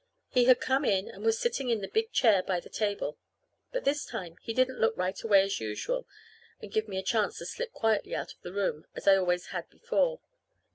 He had come in and was sitting in the big chair by the table. But this time he didn't look right away as usual and give me a chance to slip quietly out of the room, as I always had before.